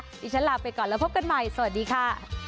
ดิฉันลาไปก่อนแล้วพบกันใหม่สวัสดีค่ะ